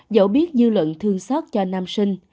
dẫu biết dư luận thương xót cho nam sinh